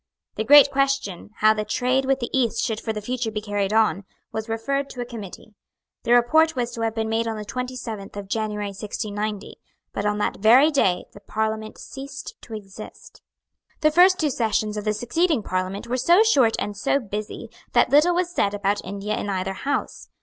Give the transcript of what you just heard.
The great question, how the trade with the East should for the future be carried on, was referred to a Committee. The report was to have been made on the twenty seventh of January 1690; but on that very day the Parliament ceased to exist. The first two sessions of the succeeding Parliament were so short and so busy that little was said about India in either House.